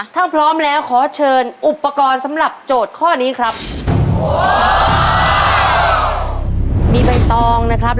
ถ้าพร้อมแล้วขอเชิญอุปกรณ์สำหรับโจทย์ข้อนี้ครับ